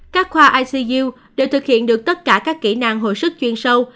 các khoa icu đều thực hiện được tất cả các kỹ năng hồi sức chuyên sâu